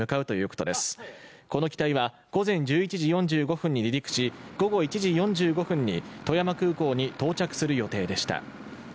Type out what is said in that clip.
この機体は午前１１時４５分に離陸し午後１時４５分に富山空港に到着する予定でした。